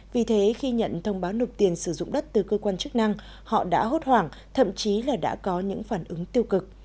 vì thế khi nhận thông báo nộp tiền sử dụng đất từ cơ quan chức năng họ đã hốt hoảng thậm chí là đã có những phản ứng tiêu cực